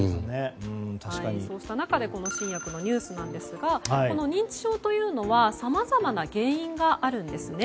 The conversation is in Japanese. そうした中での新薬のニュースなんですがこの認知症というのはさまざまな原因があるんですね。